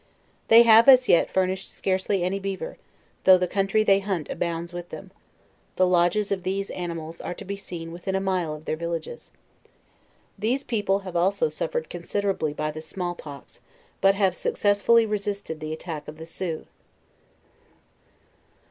They have as yet furnished scarcely any beaver, although the country they hunt abounds with them; the lodges of these animals are to be seen within a rnile of their villages. These people have also suffered considerably by the small pox; but have successfully resisted the attack of the Sioux.